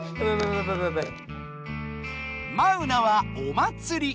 マウナは「おまつり」。